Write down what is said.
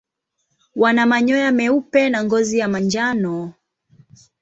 Wana manyoya meupe na ngozi ya manjano.